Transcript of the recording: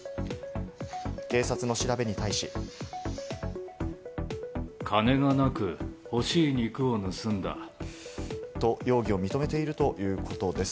警察の調べに対し。と、容疑を認めているということです。